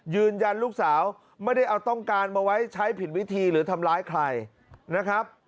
ยืนยันลูกสาวไม่ได้เอาต้องการมาไว้ใช้ผิดวิธีหรือทำร้ายใครนะครับ